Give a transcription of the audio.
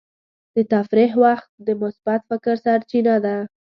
د تفریح وخت د مثبت فکر سرچینه ده.